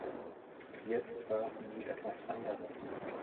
Jetzt waren Sie etwas anderes.